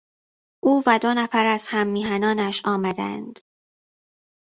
او و دو نفر از هممیهنانش آمدند.